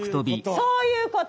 そういうこと。